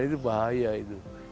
itu bahaya itu